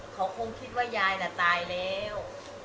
เขาคงคิดว่ายายน่ะตายแล้ว